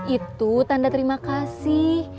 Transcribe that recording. itu tanda terima kasih